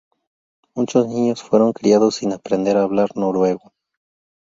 Muchos niños fueron criados sin aprender a hablar noruego.